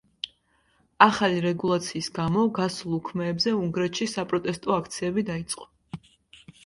ახალი რეგულაციის გამო, გასულ უქმეებზე უნგრეთში საპროტესტო აქციები დაიწყო.